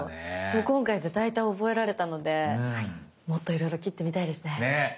今回で大体覚えられたのでもっといろいろ切ってみたいですね。ね！